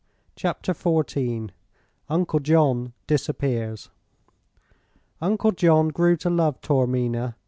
CHAPTER XIV UNCLE JOHN DISAPPEARS Uncle John grew to love Taormina.